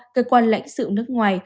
cơ quan lãnh sự nước ngoài